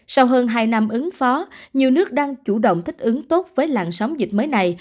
sau hơn hai năm ứng phó nhiều nước đang chủ động thích ứng tốt với làn sóng dịch mới này